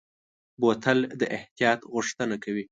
بوتل د احتیاط غوښتنه کوي.